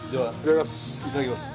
いただきます。